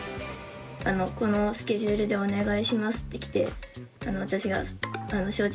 「このスケジュールでお願いします」って来て私が「承知しました。